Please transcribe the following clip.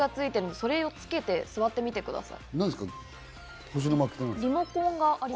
それをつけて座ってみてください。